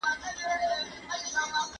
زده کونکي باید استخباراتي مهارتونه زده کړي.